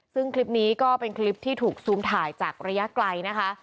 ซึ่งคลิปนี้ก็เป็นคลิปที่ถูกซูมถ่ายจากระยะไกลนะคะ